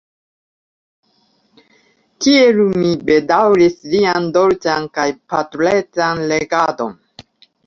Kiel mi bedaŭris lian dolĉan kaj patrecan regadon!